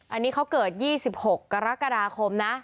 อันนี้เขาเกิด๒๖กรกฎาคมนะ